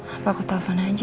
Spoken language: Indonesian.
apa aku telfon aja ya